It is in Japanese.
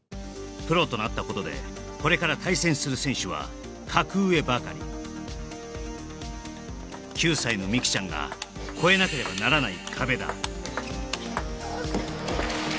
プロとなったことでこれから対戦する選手は格上ばかり９歳の美空ちゃんが越えなければならない壁だ